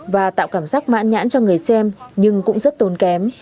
và tạo cảm giác mãn nhãn cho người xem nhưng cũng rất tốn kém